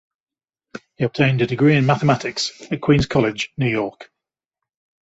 He obtained a degree in mathematics at Queens College, New York.